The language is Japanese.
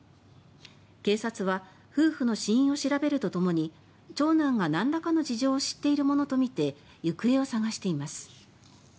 警察は夫婦の死因を調べるとともに長男が、なんらかの事情を知っているものとみて行方を捜しています。